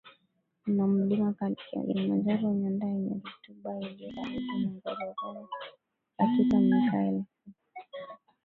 na Mlima Kilimanjaro nyanda yenye rutuba iliyo karibu na Ngorongoro katika miaka ya elfu